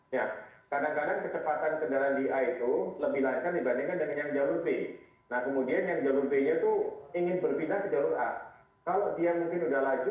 ya kadang kadang kecepatan kendaraan di a itu lebih lancar dibandingkan dengan yang jauh b